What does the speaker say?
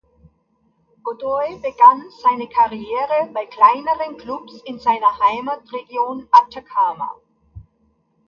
Godoy begann seine Karriere bei kleineren Klubs in seiner Heimatregion Atacama.